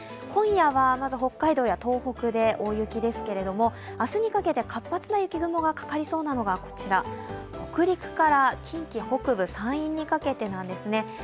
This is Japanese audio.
今夜は北海道や東北で大雪ですけれど明日にかけて活発な雪雲がかかりそうなのが、こちら、北陸から近畿北部、山陰にかけてなんですね。